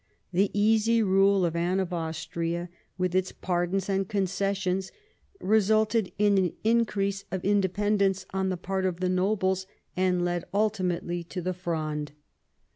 The easy rule of Anne of Austria, with its pardons and concessions, resulted in an increase of independence on the part of the nobles, and led ultimately to the Fronde.